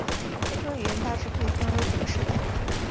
编程语言大致可以分为五个世代。